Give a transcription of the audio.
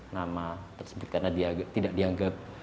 nama tersebut karena dia tidak dianggap